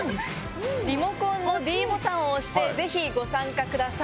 リモコンのｄボタンを押して、ぜひご参加ください。